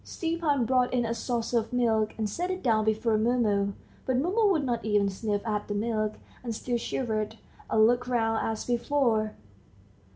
Stepan brought in a saucer of milk, and set it down before Mumu, but Mumu would not even sniff at the milk, and still shivered, and looked round as before.